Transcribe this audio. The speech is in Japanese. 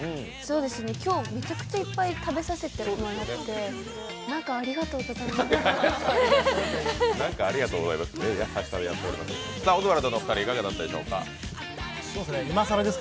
今日、めちゃくちゃいっぱい食べさせてもらって何かありがとうございます。